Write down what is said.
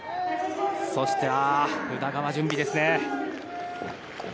そして、宇田川が準備ですね。